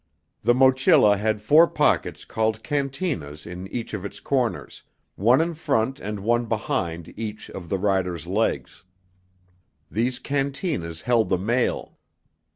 The mochila had four pockets called cantinas in each of its corners one in front and one behind each of the rider's legs. These cantinas held the mail.